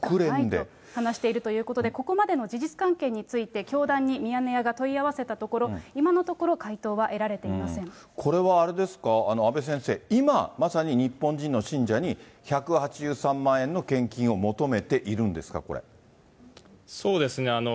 話しているということで、ここまでの事実関係について、教団にミヤネ屋が問い合わせたところ、今のところ、回答は得られこれはあれですか、阿部先生、今、まさに日本人の信者に、１８３万円の献金を求めているんですか、そうですね。